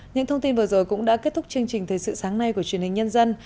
những thông tin vừa rồi cũng đã kết thúc chương trình thời sự sáng nay của truyền hình nhân dân